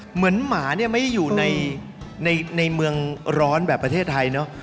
เหมือนหมาเนี่ยไม่อยู่ในเมืองร้อนแบบประเทศไทยเนาะ